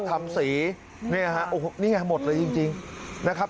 ทำสีนี่ไงหมดเลยจริงนะครับ